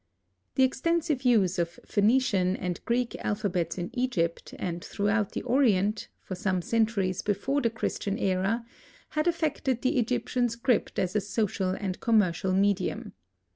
The extensive use of Phœnician and Greek alphabets in Egypt and throughout the Orient, for some centuries before the Christian era, had affected the Egyptian script as a social and commercial medium.